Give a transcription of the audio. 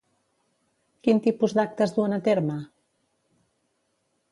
Quin tipus d'actes duen a terme?